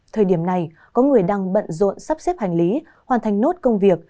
thời điểm này có người đang bận rộn sắp xếp hành lý hoàn thành nốt công việc